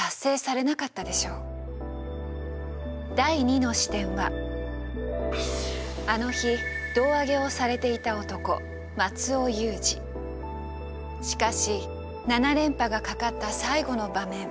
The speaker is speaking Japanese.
第２の視点はあの日胴上げをされていた男しかし７連覇がかかった最後の場面。